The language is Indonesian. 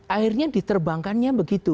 akhirnya diterbangkannya begitu